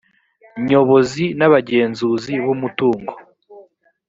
nyobozi n abagenzuzi b umutungo